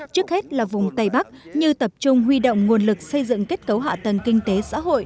trước hết là vùng tây bắc như tập trung huy động nguồn lực xây dựng kết cấu hạ tầng kinh tế xã hội